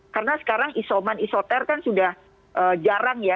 karena sekarang isoman isoter kan sudah jarang ya